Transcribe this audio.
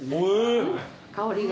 香りが。